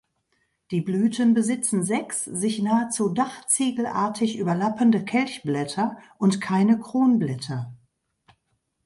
Die Blüten besitzen sechs, sich nahezu dachziegelartig überlappende Kelchblätter und keine Kronblätter.